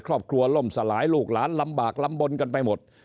ครอบครัวล่มสลายลูกหลานลำบากลำบลกันไปหมด